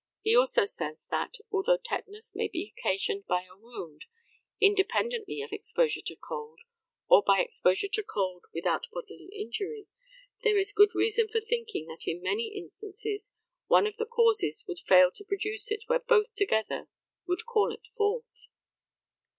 He also says that, although tetanus may be occasioned by a wound, independently of exposure to cold, or by exposure to cold without bodily injury, there is good reason for thinking that in many instances one of the causes would fail to produce it where both together would call it forth.